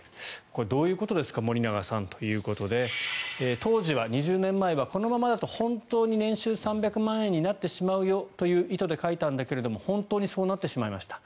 これ、どういうことですか森永さんということで当時は２０年前はこのままだと本当に年収３００万円になってしまうよという意図で書いたんだけれども本当にそうなってしまいました。